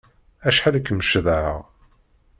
Acḥal i kem-cedhaɣ!